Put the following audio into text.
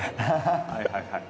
はいはいはい。